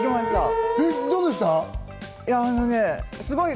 どうでした？